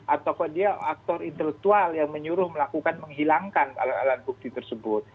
atau dia aktor intelektual yang menyuruh melakukan menghilangkan alat alat bukti tersebut